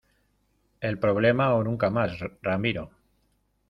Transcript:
el problema o nunca mas, Ramiro.